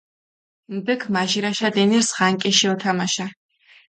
ნდიქჷ მაჟირაშა დენირზ ღანკიში ჸოთამაშა.